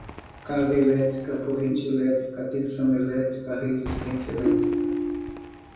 carga elétrica, corrente elétrica, tensão elétrica, resistência elétrica